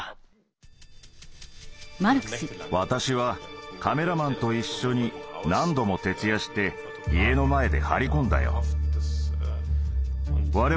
私はカメラマンと一緒に何度も徹夜して家の前で張り込んだよ。